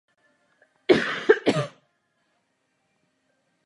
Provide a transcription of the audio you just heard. Na základě stejného ustanovení byla nicméně rozpuštěna někdejší Republikánská mládež.